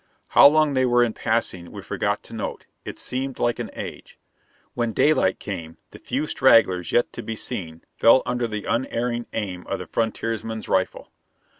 How long they were in passing we forgot to note; it seemed like an age. When daylight came the few stragglers yet to be seen fell under the unerring aim of the frontiersman's rifle.